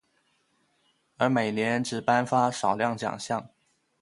而每年只颁发少量奖项。